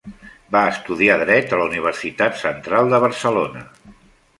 Va estudiar dret a la Universitat Central de Barcelona.